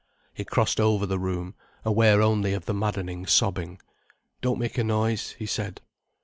He crossed over the room, aware only of the maddening sobbing. "Don't make a noise," he said.